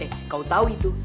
eh kau tahu itu